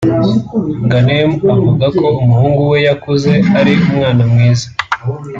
Ghanem avuga ko umuhungu we yakuze ari umwana mwiza